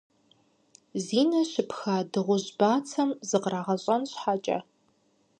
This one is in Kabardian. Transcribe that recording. Зи нэ щыпха дыгъужь бацэм зыкърагъэщӀэн щхьэкӀэ,.